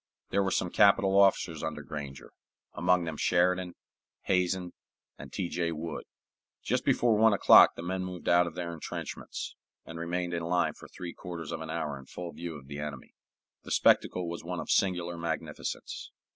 There were some capital officers under Granger, among them Sheridan, Hazen, and T. J. Wood. Just before one o'clock the men moved out of their intrenchments, and remained in line for three quarters of an hour in full view of the enemy. The spectacle was one of singular magnificence.